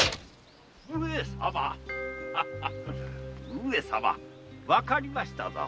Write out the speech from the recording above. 上様わかりましたぞ。